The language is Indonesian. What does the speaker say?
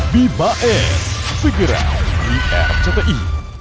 bibae figurant di rcti